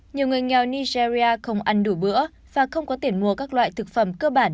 nhiều người nghèo nigeria không ăn đủ bữa và không có tiền mua các loại thực phẩm cơ bản